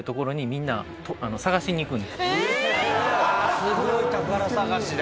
すごい宝探しだ。